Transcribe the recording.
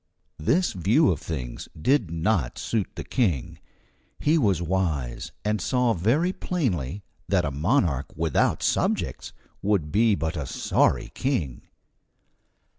This view of things did not suit the King. He was wise, and saw very plainly that a monarch without subjects would be but a sorry king.